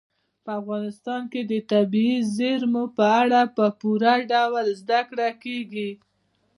په افغانستان کې د طبیعي زیرمو په اړه په پوره ډول زده کړه کېږي.